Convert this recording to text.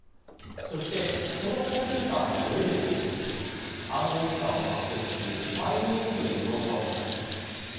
そしてそのコンピューターの上で動き、暗号資産を獲得するマイニングという動作を行います。